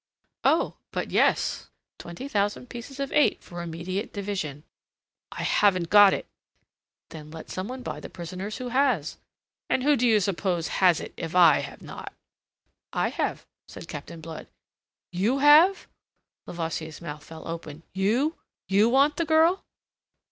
"Oh, but yes. Twenty thousand pieces of eight for immediate division." "I haven't got it." "Then let some one buy the prisoners who has." "And who do you suppose has it if I have not?" "I have," said Captain Blood. "You have!" Levasseur's mouth fell open. "You... you want the girl?"